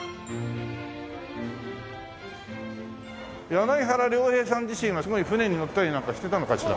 柳原良平さん自身はすごい船に乗ったりなんかしてたのかしら？